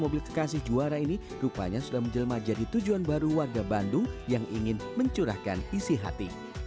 mobil kekasih juara ini rupanya sudah menjelma jadi tujuan baru warga bandung yang ingin mencurahkan isi hati